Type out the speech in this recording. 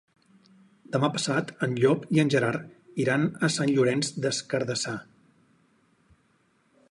Demà passat en Llop i en Gerard iran a Sant Llorenç des Cardassar.